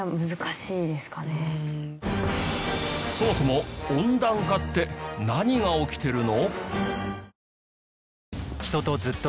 そもそも温暖化って何が起きてるの？